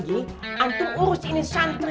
anda harus pergi antum urus ini santri